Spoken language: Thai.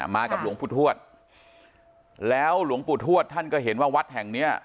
มากับหลวงปู่ทวดแล้วหลวงปู่ทวดท่านก็เห็นว่าวัดแห่งเนี้ย